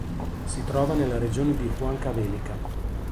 Si trova nella regione di Huancavelica.